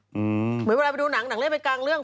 เหมือนเวลาไปดูหนังหนังเล่นไปกลางเรื่อง